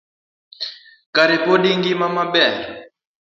Kare pod ingima maber.